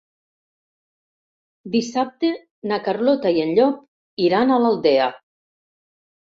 Dissabte na Carlota i en Llop iran a l'Aldea.